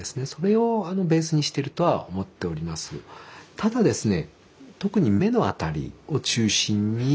ただですね